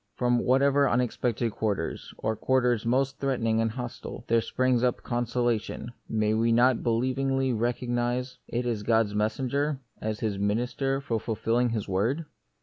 From whatever unexpected quarters, or quarters most threatening and hostile, there springs up consolation, may we not believingly recognise it as God's messenger, as His minister for ful filling His word